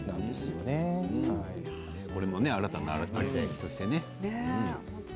これも新たな有田焼としてね。